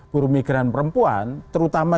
buru migran perempuan terutama